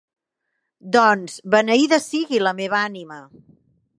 Doncs, beneïda sigui la meva ànima!